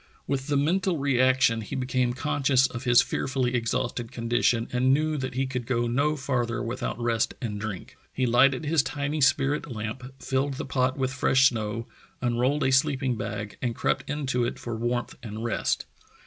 With the mental reaction he became conscious of his fearfully exhausted condition and knew that he could go no farther without rest and drink. He lighted his tiny spirit lamp, filled the pot with fresh snow, unrolled a sleeping bag and crept into it for warmth and rest.